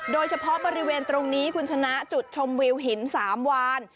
โดยเฉพาะบริเวณตรงนี้คุณชนะจุดชมวิวหิน๓วาน